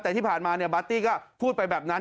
แต่ที่ผ่านมาปาร์ตี้ก็พูดไปแบบนั้น